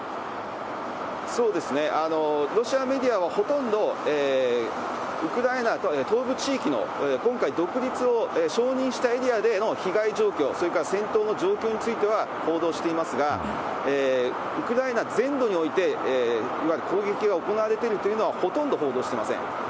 そうですね、ロシアメディアはほとんど、ウクライナ東部地域の今回、独立を承認したエリアでの被害状況、それから戦闘の状況については報道していますが、ウクライナ全土において、いわゆる攻撃が行われているというのは、ほとんど報道してません。